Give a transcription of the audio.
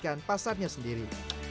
dan dapatkan pasarnya sendiri